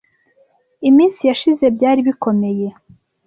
iminsi yashize byari bikomeye